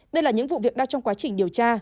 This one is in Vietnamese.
đây là những vụ việc đang trong quá trình điều tra